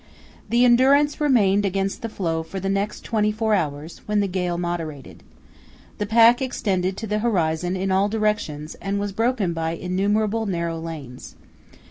The Endurance remained against the floe for the next twenty four hours, when the gale moderated. The pack extended to the horizon in all directions and was broken by innumerable narrow lanes.